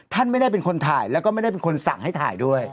ท่านไม่ได้เป็นคนถ่ายแล้วก็ไม่ได้เป็นคนสั่งให้ถ่ายด้วย